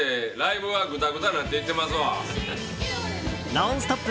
「ノンストップ！」